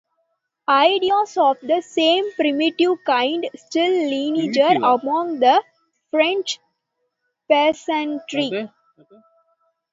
Ideas of the same primitive kind still linger among the French peasantry.